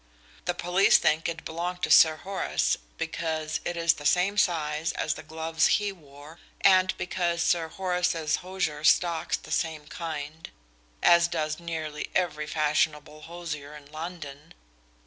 The police think it belonged to Sir Horace because it is the same size as the gloves he wore, and because Sir Horace's hosier stocks the same kind as does nearly every fashionable hosier in London.